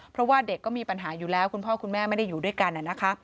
เพราะว่าเด็กก็มีปัญหาอยู่แล้วคุณพ่อคุณแม่ไม่ได้อยู่ด้วยกัน